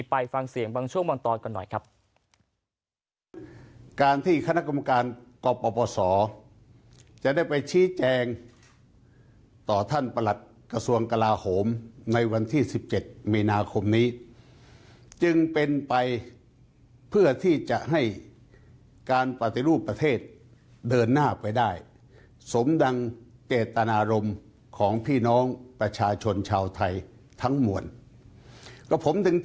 ไปฟังเสียงบางช่วงบางตอนกันหน่อยครับ